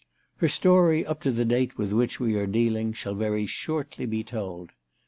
Her story up to the date with which we are dealing shall be very shortly told.